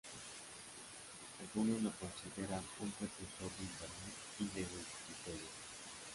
Algunos lo consideran un precursor de Internet y de Wikipedia.